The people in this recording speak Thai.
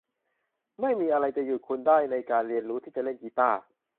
ไม่มีอะไรจะหยุดคุณได้ในการเรียนรู้ที่จะเล่นกีตาร์